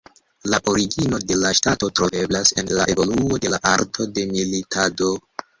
La origino de la ŝtato troveblas en la evoluo de la arto de militado.